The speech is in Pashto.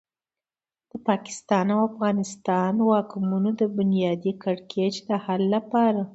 د پاکستان او افغانستان واکمنو د بنیادي کړکېچ د حل لپاره.